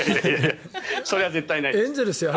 それは絶対ないです。